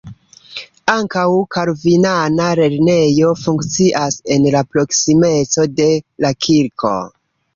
Ankaŭ kalvinana lernejo funkcias en la proksimeco de la kirko.